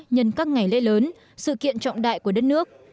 nhân các ngày lễ lớn sự kiện trọng đại của đất nước